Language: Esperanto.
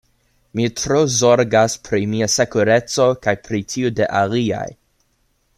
Mi tro zorgas pri mia sekureco kaj pri tiu de aliaj.